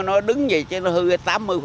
nó đứng gì chứ nó hư tám mươi rồi